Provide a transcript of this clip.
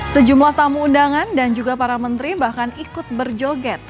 sejumlah tamu undangan dan juga para menteri bahkan ikut berjoget